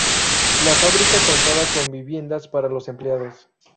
La fábrica contaba con viviendas para los empleados.